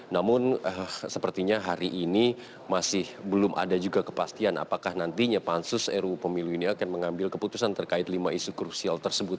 namun sepertinya hari ini masih belum ada juga kepastian apakah nantinya pansus ru pemilu ini akan mengambil keputusan terkait lima isu krusial tersebut